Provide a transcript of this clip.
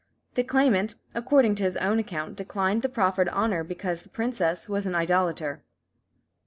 The claimant, according to his own account, declined the proffered honour because the princess was an idolater.